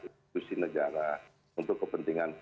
institusi negara untuk kepentingan